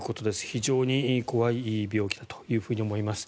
非常に怖い病気だと思います。